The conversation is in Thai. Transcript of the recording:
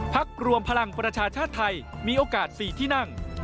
พักรวมพลังประชาชาติไทยมีโอกาส๔ที่นั่ง